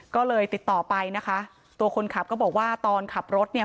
ก็เลยติดต่อไปนะคะตัวคนขับก็บอกว่าตอนขับรถเนี่ย